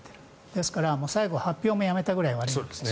ですから、最後発表もやめたくらい悪いんです。